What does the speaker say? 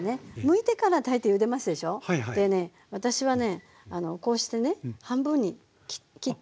私はねこうしてね半分に切って。